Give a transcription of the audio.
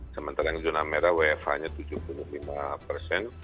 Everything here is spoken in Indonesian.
sementara yang zona merah wfhnya tujuh puluh lima persen